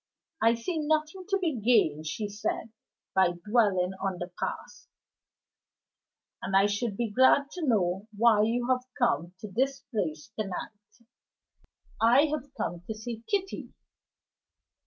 "I see nothing to be gained," she said, "by dwelling on the past; and I should be glad to know why you have come to this place to night." "I have come to see Kitty."